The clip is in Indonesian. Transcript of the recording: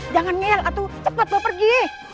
jangan niel atu cepat berpergi